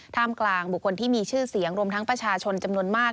กลางบุคคลที่มีชื่อเสียงรวมทั้งประชาชนจำนวนมาก